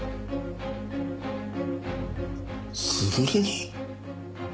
優に？